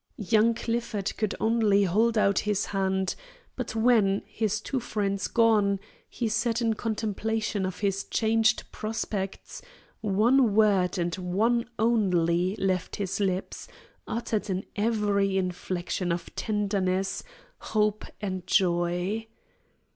Young Clifford could only hold out his hand, but when, his two friends gone, he sat in contemplation of his changed prospects, one word and one only left his lips, uttered in every inflection of tenderness, hope, and joy.